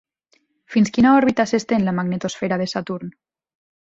Fins quina òrbita s'estén la magnetosfera de Saturn?